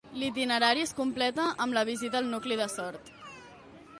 L'itinerari es completa amb la visita al nucli de Sort.